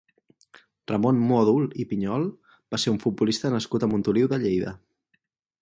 Ramon Módol i Piñol va ser un futbolista nascut a Montoliu de Lleida.